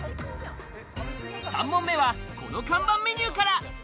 ３問目は、この看板メニューから。